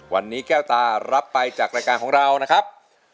วันนี้แก้วตารับไปจากรายการของเรานะครับ